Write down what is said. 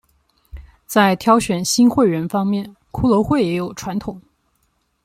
在挑选新会员方面骷髅会也有传统。